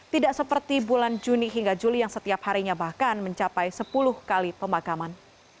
tidak seperti bulan juni hingga juli yang setiap harinya bahkan mencapai sepuluh kali pemakaman